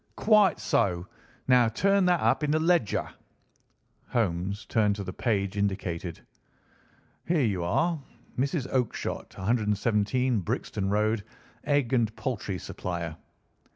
"Quite so. Now turn that up in the ledger." Holmes turned to the page indicated. "Here you are, 'Mrs. Oakshott, 117, Brixton Road, egg and poultry supplier.